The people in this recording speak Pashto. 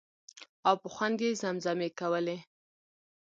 او په خوند یې زمزمې کولې.